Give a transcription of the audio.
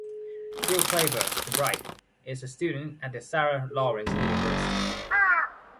Jill Clayburgh, the bride, is a student at the Sarah Lawrence University.